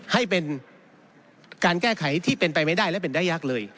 ให้เป็นการแก้ไขที่เป็นไปไม่ได้และเป็นได้ยากเลย